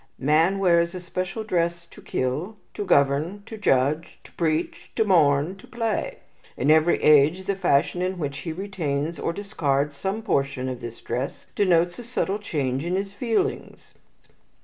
"Man wears a special dress to kill, to govern, to judge, to preach, to mourn, to play. In every age the fashion in which he retains or discards some portion of this dress denotes a subtle change in his feelings."